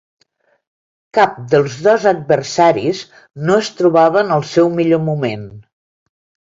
Cap dels dos adversaris no es trobava en el seu millor moment.